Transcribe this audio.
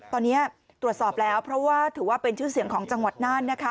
ตอนนี้ตรวจสอบแล้วเพราะว่าถือว่าเป็นชื่อเสียงของจังหวัดน่านนะคะ